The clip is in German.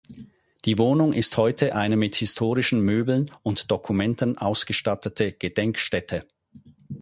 Die Wohnung ist heute eine mit historischen Möbeln und Dokumenten ausgestattete Gedenkstätte.